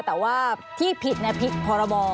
แต่ว่าที่ผิดผิดพรบ